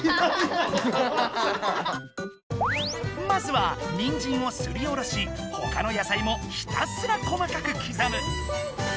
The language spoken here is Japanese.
まずはニンジンをすりおろしほかの野菜もひたすら細かくきざむ。